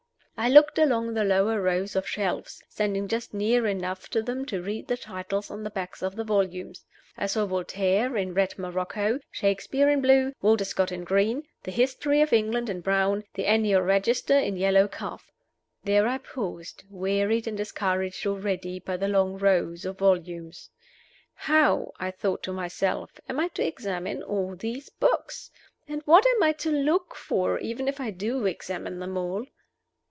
I looked along the lower rows of shelves, standing just near enough to them to read the titles on the backs of the volumes. I saw Voltaire in red morocco, Shakespeare in blue, Walter Scott in green, the "History of England" in brown, the "Annual Register" in yellow calf. There I paused, wearied and discouraged already by the long rows of volumes. How (I thought to myself) am I to examine all these books? And what am I to look for, even if I do examine them all?